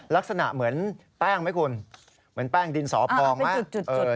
ลักษณะเหมือนแป้งไหมคุณเหมือนแป้งดินสอพองไหม